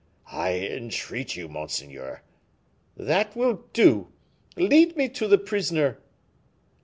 "I entreat you, monseigneur " "That will do. Lead me to the prisoner."